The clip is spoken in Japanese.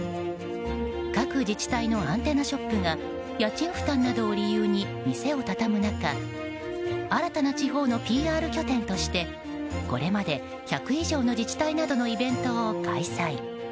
各自治体のアンテナショップが家賃負担などを理由に店を畳む中新たな地方のＰＲ拠点としてこれまで１００以上の自治体などのイベントを開催。